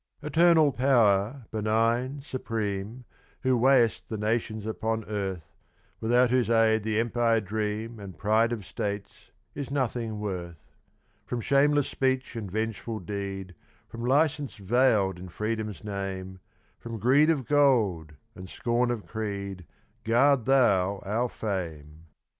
Eternal power, benign, supreme, Who weigh'st the nations upon earth; Without whose aid the empire dream And pride of states is nothing worth, From shameless speech, and vengeful deed, From licence veiled in Freedom's name, From greed of gold, and scorn of creed, Guard Thou our fame!